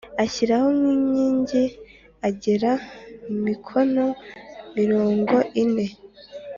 Ashyiraho n inkingi agera mikono mirongo ine